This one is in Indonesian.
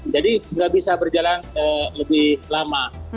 jadi tidak bisa berjalan lebih lama